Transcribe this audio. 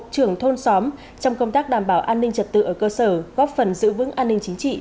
trưởng thôn xóm trong công tác đảm bảo an ninh trật tự ở cơ sở góp phần giữ vững an ninh chính trị